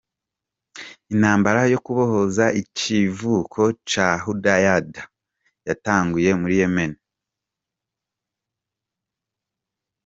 Intambara yo kubohoza ikivuko ca Hudaydah yatanguye muri Yemen.